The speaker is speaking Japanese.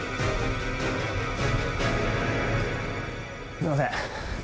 すいません。